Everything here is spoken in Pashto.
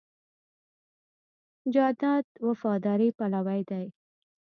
جانداد د وفادارۍ پلوی دی.